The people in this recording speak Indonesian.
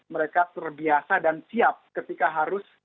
mereka terbiasa dan siap ketika harus